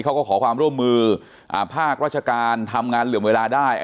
เขาก็ขอความร่วมมือภาคราชการทำงานเหลื่อมเวลาได้